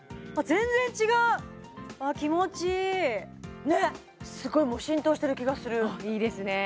全然違う気持ちいいねっすごい浸透してる気がするいいですね